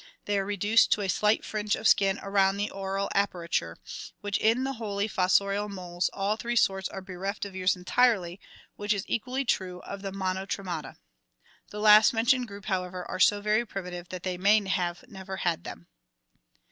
they are reduced to a slight fringe of skin around the aural aperture, while in the wholly fossorial moles all three sorts are bereft of ears entirely, which is equally true of the Monotremata. The last mentioned group, however, are so very primitive that they may never have had them.